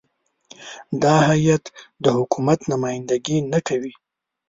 دا هیات د حکومت نمایندګي نه کوي.